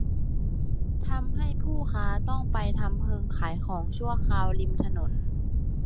ทำให้ผู้ค้า ต้องไปทำเพิงขายของชั่วคราวริมถนน